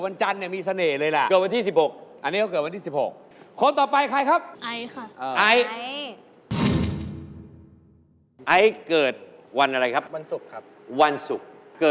อันนี้ได้หู้ดี